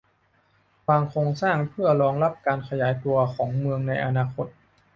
วางโครงสร้างเพื่อรองรับการขยายตัวของเมืองในอนาคต